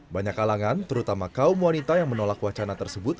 banyak kalangan terutama kaum wanita yang menolak wacana tersebut